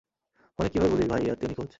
ফোনে কীভাবে বলিস ভাই এই আত্মীয় নিখোঁজ?